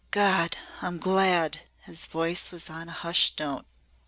"God! I'm glad!" his voice was on a hushed note.